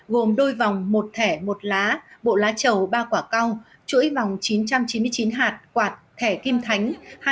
gồm đôi vòng một thẻ một lá bộ lá trầu ba quả cao chuỗi vòng chín trăm chín mươi chín hạt quạt thẻ kim thánh